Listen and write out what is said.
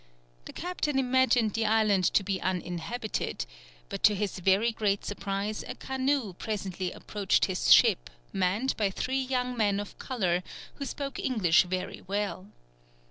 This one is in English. The captain imagined the island to be uninhabited, but to his very great surprise a canoe presently approached his ship manned by three young men of colour, who spoke English very well.